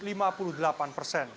menjadi satu tujuh juta dolar